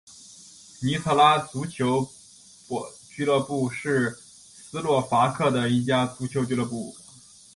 尼特拉足球俱乐部是斯洛伐克的一家足球俱乐部。